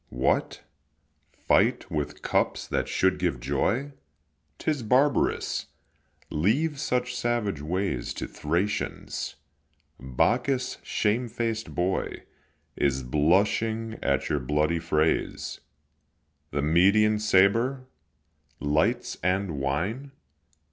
What, fight with cups that should give joy? 'Tis barbarous; leave such savage ways To Thracians. Bacchus, shamefaced boy, Is blushing at your bloody frays. The Median sabre! lights and wine!